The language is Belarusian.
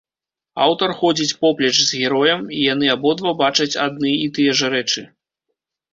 Аўтар ходзіць поплеч з героем, і яны абодва бачаць адны і тыя ж рэчы.